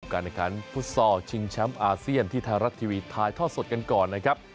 การการพุทธศาลชิงช้ำอาเซียนที่ไทยรัฐทีวีถ่ายทอดสดกันก่อนนะครับ